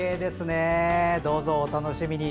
どうぞお楽しみに。